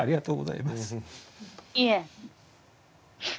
いえ。